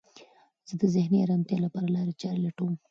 زه د ذهني ارامتیا لپاره لارې چارې لټوم.